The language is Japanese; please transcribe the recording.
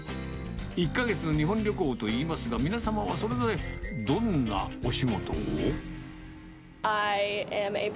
１か月、日本旅行といいますが、皆様それぞれ、どんなお仕事を？